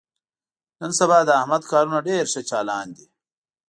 نن سبا د احمد کارونه ډېر ښه چالان دي.